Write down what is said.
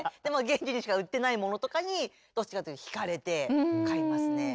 現地にしか売ってないものとかにどっちかというとひかれて買いますね。